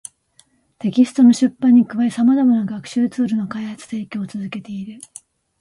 テキストの出版に加え、様々な学習ツールの開発・提供を続けている